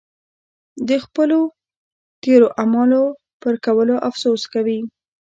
د خپلو تېرو اعمالو پر کولو افسوس کوي.